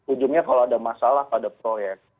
ujungnya kalau ada masalah pada proyek